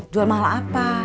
jual mahal apa